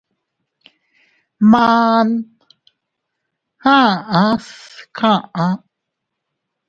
Man a aʼas kaʼa.